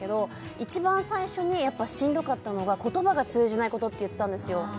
一番最初にやっぱしんどかったのが言葉が通じないことって言ってたんですよ